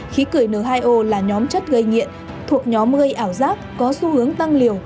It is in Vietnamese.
khí cười n hai o là nhóm chất gây nghiện thuộc nhóm gây ảo giác có xu hướng tăng liều